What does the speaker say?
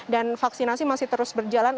dan vaksinasi masih terus berjalan